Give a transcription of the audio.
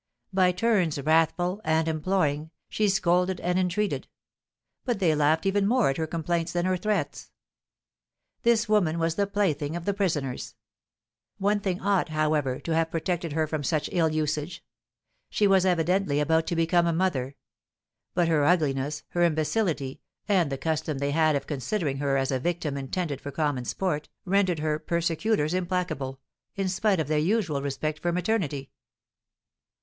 By turns wrathful and imploring, she scolded and entreated; but they laughed even more at her complaints than her threats. This woman was the plaything of the prisoners. One thing ought, however, to have protected her from such ill usage, she was evidently about to become a mother; but her ugliness, her imbecility, and the custom they had of considering her as a victim intended for common sport, rendered her persecutors implacable, in spite of their usual respect for maternity.